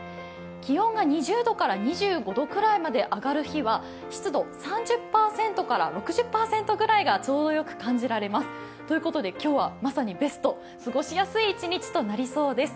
気温が２０度から２５度くらいまで上がる日は湿度３０％から６０％ぐらいがちょうどよく感じられます。ということで、今日はまさにベスト過ごしやすい一日となりそうです。